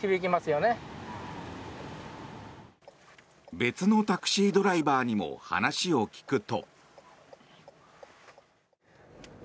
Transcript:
別のタクシードライバーにも話を聞くと。